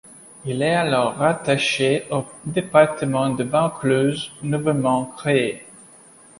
Il est alors rattaché au département de Vaucluse nouvellement créé.